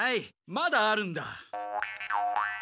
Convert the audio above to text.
まだあるんだ。